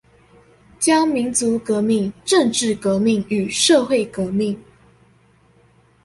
將民族革命、政冶革命興社會革命